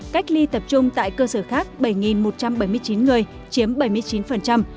cách ly tập trung tại cơ sở khác bảy một trăm bảy mươi chín người chiếm bảy mươi chín